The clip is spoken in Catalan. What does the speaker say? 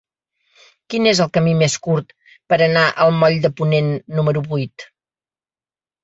Quin és el camí més curt per anar al moll de Ponent número vuit?